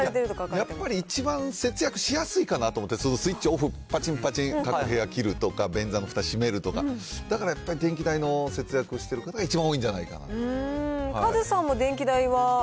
やっぱり一番節約しやすいかなと思って、スイッチオフ、ぱちん、ぱちん、各部屋切るとか、便座のふた閉めるとか、だからやっぱり電気代の節約してる方が、一番多いんじゃないかなカズさんも電気代は。